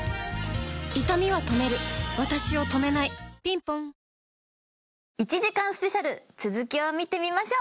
いたみは止めるわたしを止めないぴんぽん１時間スペシャル続きを見てみましょう。